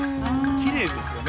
きれいですよね。